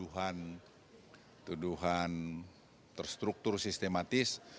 hai tuhan terstruktur sistematis